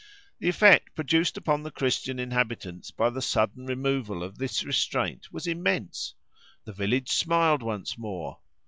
The effect produced upon the Christian inhabitants by the sudden removal of this restraint was immense. The village smiled once more.